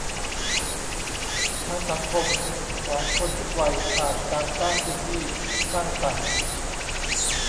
ทางสังคมของคนทุกวัยผ่านการสร้างพื้นที่สร้างสรรค์